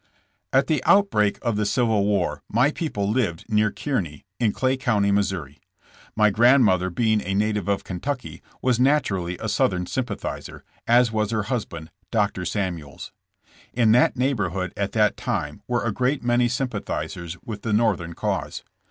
'' At the outbreak of the civil war my people lived near Kearney, in Clay County, Mo. My grand mother being a native of Kentucky, was naturally a Southern sympathizer, as was her husband. Dr. Samuels. In that neighborhood at that time were a great many sympathizers with the Northern cause.